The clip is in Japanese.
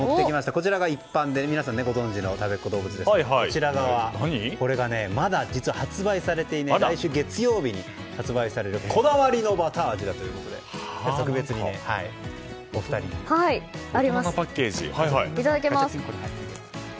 こちらは一般のご存じのたべっ子どうぶつですがこちらはまだ発売されていない来週月曜日に発売されるこだわりのバター味ということでいただきます。